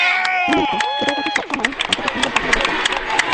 মনে রেখো, এটার কাছে সবসময় অন্তত তিনজন পাহারাদার থাকবে।